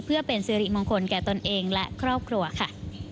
เพื่อเป็นสิริมงคลแก่ตนเองและครอบครัวค่ะ